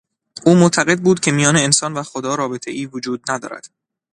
او معتقد بود که میان انسان و خدا رابطهای وجود ندارد.